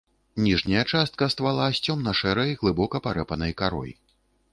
Ніжняя частка ствала з цёмна-шэрай, глыбока парэпанай карой.